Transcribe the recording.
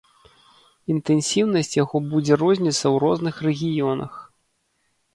Інтэнсіўнасць яго будзе розніцца ў розных рэгіёнах.